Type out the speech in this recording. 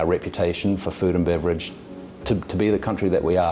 untuk menjadi negara yang kita adalah kita harus membuat hal yang benar